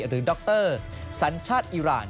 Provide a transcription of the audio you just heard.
หรือด๊อคเตอร์สัญชาติอิราณ